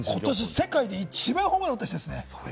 世界で一番ホームランを打った人ですね。